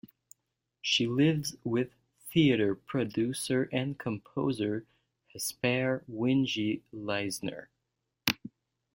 She lives with theatre producer and composer Jesper Winge Leisner.